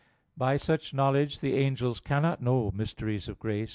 By such knowledge the angels cannot know mysteries of grace.